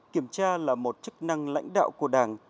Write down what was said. kiểm tra là một chức năng lãnh đạo của đảng